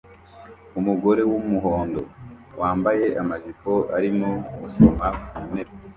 Umugore wumuhondo wambaye amajipo arimo gusoma ku ntebe